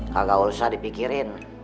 kagak usah dipikirin